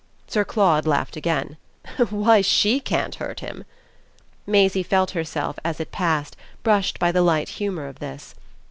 Sir Claude laughed again. "Why SHE can't hurt him!" Maisie felt herself, as it passed, brushed by the light humour of this.